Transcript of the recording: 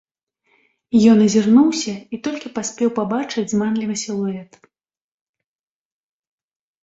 Ён азірнуўся і толькі паспеў пабачыць зманлівы сілуэт.